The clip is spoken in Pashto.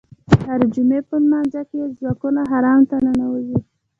د هرې جمعې په لمانځه کې یې ځواکونه حرم ته ننوځي.